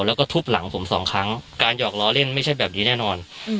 แล้วก็ทุบหลังผมสองครั้งการหยอกล้อเล่นไม่ใช่แบบนี้แน่นอน